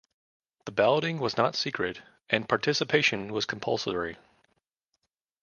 The balloting was not secret, and participation was compulsory.